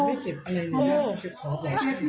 พี่ถ้าเจ็บ